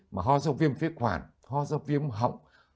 mà ho do viêm phế quản ho do viêm họng